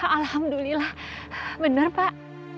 alhamdulillah bener pak